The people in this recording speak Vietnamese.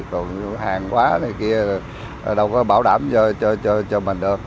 còn hàng quá này kia đâu có bảo đảm cho mình được